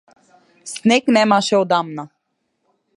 Снег немаше одамна.